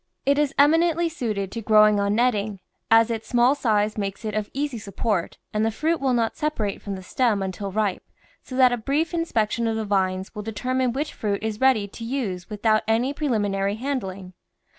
It is eminently suited to growing on netting, as its small size makes it of easy support and the fruit will not separate from the stem until ripe, so that a brief inspection of the vines will determine which fruit is ready to use without any preliminary handling.